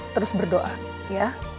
terus berdoa ya